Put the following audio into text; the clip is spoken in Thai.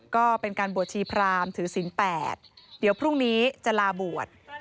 ก็เป็นการบวชชีพรามถือศิลป์๘เดี๋ยวพรุ่งนี้จะลาบวช